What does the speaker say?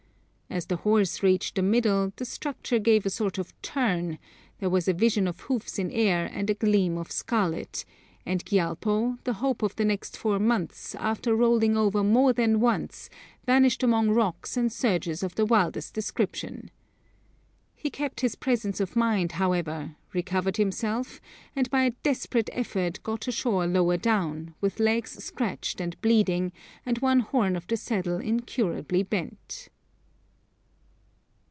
As the horse reached the middle, the structure gave a sort of turn, there was a vision of hoofs in air and a gleam of scarlet, and Gyalpo, the hope of the next four months, after rolling over more than once, vanished among rocks and surges of the wildest description. He kept his presence of mind, however, recovered himself, and by a desperate effort got ashore lower down, with legs scratched and bleeding and one horn of the saddle incurably bent.